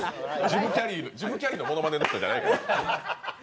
ジム・キャリーのものまねの人じゃないから。